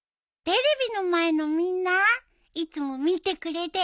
テレビの前のみんないつも見てくれて。